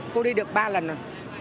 cô đi được ba lần rồi